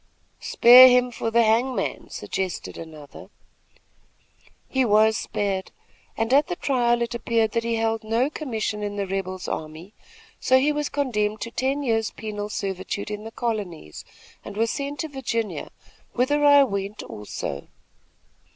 "'Spare him for the hangman,' suggested another. "He was spared, and at the trial it appeared that he held no commission in the rebel's army, so he was condemned to ten years' penal servitude in the colonies, and was sent to Virginia, whither I went, also.